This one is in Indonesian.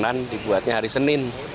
saya senang dibuatnya hari senin